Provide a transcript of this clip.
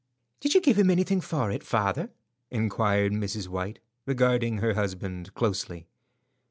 "Did you give him anything for it, father?" inquired Mrs. White, regarding her husband closely.